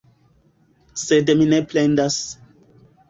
Sed mi ne plendas.